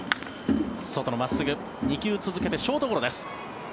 外の真っすぐ２球続けてショートゴロです。